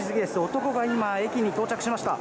男が今、駅に到着しました。